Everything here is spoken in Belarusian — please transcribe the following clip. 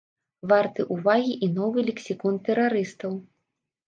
Варты ўвагі і новы лексікон тэрарыстаў.